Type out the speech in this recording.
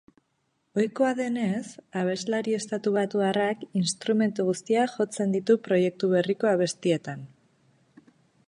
Ohikoa denez, abeslari estatubatuarrak instrumentu guztiak jotzen ditu proiektu berriko abestietan.